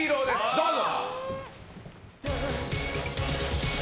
どうぞ。